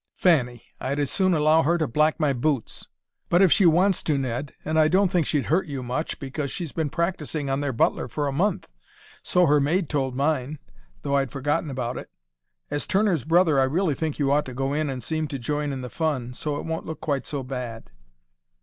"Fanny! I'd as soon allow her to black my boots!" "But if she wants to, Ned! And I don't think she'd hurt you much, because she's been practising on their butler for a month so her maid told mine, though I'd forgotten all about it. As Turner's brother I really think you ought to go in and seem to join in the fun, so it won't look quite so bad."